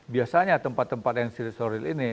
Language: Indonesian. biasanya tempat tempat yang seritorial ini